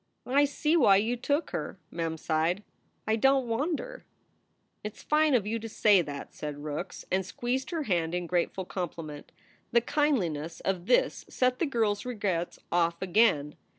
"I see why you took her," Mem sighed. "I don t wonder." "It s fine of you to say that," said Rookes, and squeezed her hand in grateful compliment. The kindliness of this set the girl s regrets off again.